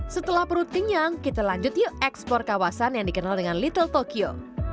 setelah perut kenyang kita lanjut yuk ekspor kawasan yang dikenal dengan little tokyo